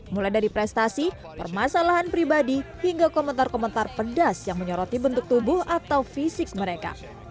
mulai dari prestasi permasalahan pribadi hingga komentar komentar pedas yang menyoroti bentuk tubuh atau fisik mereka